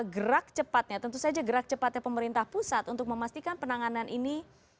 gerak cepatnya tentu saja gerak cepatnya pemerintah pusat untuk memastikan penanganan ini